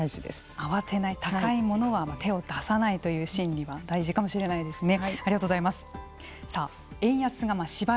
高いものは手を出さないという心理は大事かもしれないですね。